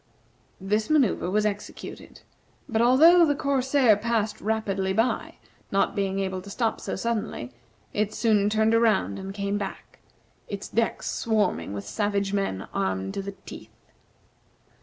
This manoeuvre was executed, but, although the corsair passed rapidly by, not being able to stop so suddenly, it soon turned around and came back, its decks swarming with savage men armed to the teeth.